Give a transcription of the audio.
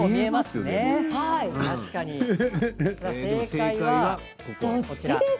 正解はこちらです。